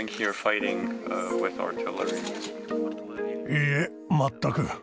いいえ、全く。